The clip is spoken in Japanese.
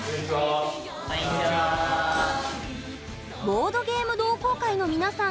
ボードゲーム同好会の皆さん。